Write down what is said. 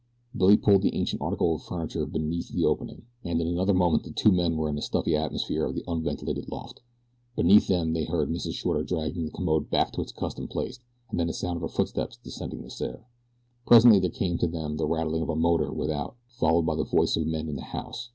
Billy pulled the ancient article of furniture beneath the opening, and in another moment the two men were in the stuffy atmosphere of the unventilated loft. Beneath them they heard Mrs. Shorter dragging the commode back to its accustomed place, and then the sound of her footsteps descending the stair. Presently there came to them the rattling of a motor without, followed by the voices of men in the house.